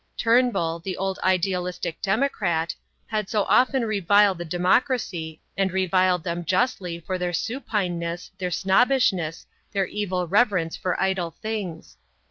Turnbull, the old idealistic democrat, had so often reviled the democracy and reviled them justly for their supineness, their snobbishness, their evil reverence for idle things.